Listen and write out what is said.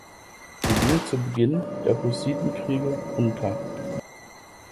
Sie ging zu Beginn der Hussitenkriege unter.